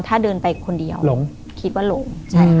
ถ้าเดินไปคนเดียวหลงคิดว่าหลง